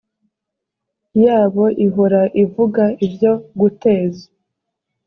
yabo ihora ivuga ibyo guteza